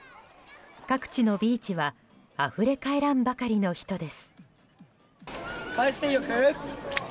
各地のビーチはあふれ返らんばかりの人です。